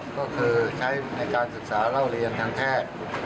ก็คือใช้ในการศึกษาเล่าเรียนทางแพทย์